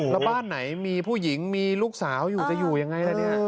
แล้วบ้านไหนมีผู้หญิงมีลูกสาวอยู่จะอยู่ยังไงล่ะเนี่ย